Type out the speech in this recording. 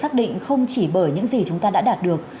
thành công được xác định không chỉ bởi những gì chúng ta đã đạt được